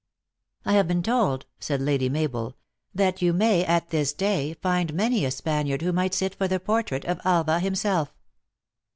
" I have been told," said Lady Mabel," that you may, at this day, find many a Spaniard who might sit for the portrait of Alva himself."